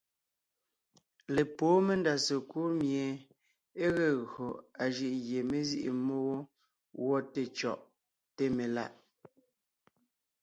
Lepwóon mendá sekúd mie é ge gÿo a jʉʼ gie mé zîʼi mmó wó gwɔ té cyɔ̀ʼ, té melà’.